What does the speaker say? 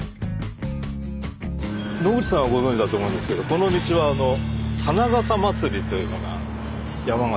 野口さんはご存じだと思うんですけどこの道は「花笠まつり」というのが山形